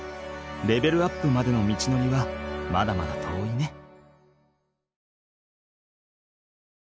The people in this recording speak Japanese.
レベルアップまでの道のりはまだまだ遠いね。